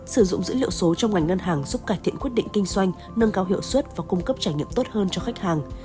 sử dụng dữ liệu số trong ngành ngân hàng giúp cải thiện quyết định kinh doanh nâng cao hiệu suất và cung cấp trải nghiệm tốt hơn cho khách hàng